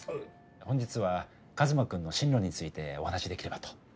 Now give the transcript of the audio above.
本日はカズマ君の進路についてお話しできればと。